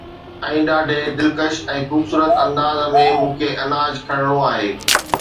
۽ ڏاڍي دلڪش ۽ خوبصورت انداز ۾ مون کي اناج کڻڻو آهي